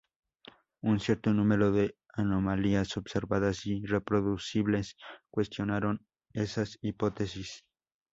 Un cierto número de anomalías observadas y reproducibles cuestionaron esas hipótesis.